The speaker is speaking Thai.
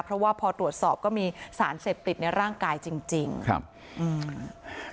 เพราะว่าพอตรวจสอบก็มีสารเสพติดในร่างกายจริงจริงครับอืม